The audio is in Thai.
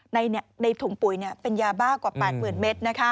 ในถุงปุ๋ยเป็นยาบ้ากว่า๘๐๐๐เมตร